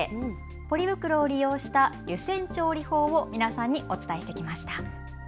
ポリ袋を利用した湯煎調理法を皆さんにお伝えしてきました。